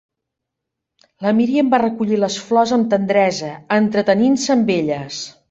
La Míriam va recollir les flors amb tendresa, entretenint-se amb elles.